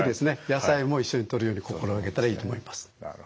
野菜も一緒にとるように心掛けたらいいと思います。